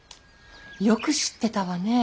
よく知ってたわね。